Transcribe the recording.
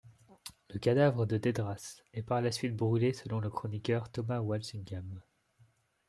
Le cadavre de Deydras est par la suite brûlé, selon le chroniqueur Thomas Walsingham.